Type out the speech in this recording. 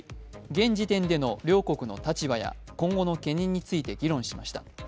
現時点での両国の立場や今後の懸念について議論しました。